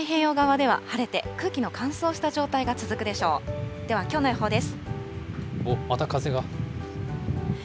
ではきょうの予報です。